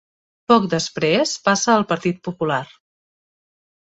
Poc després passa al Partit Popular.